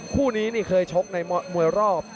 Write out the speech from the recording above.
คู่นี้นี่เคยชกในมวยรอบ